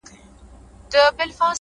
گراني ټوله شپه مي’